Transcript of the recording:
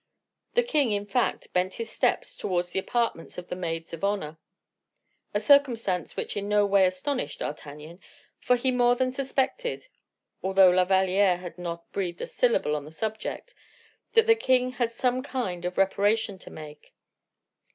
The king, in fact, bent his steps towards the apartments of the maids of honor, a circumstance which in no way astonished D'Artagnan, for he more than suspected, although La Valliere had not breathed a syllable on the subject, that the king had some kind of reparation to make.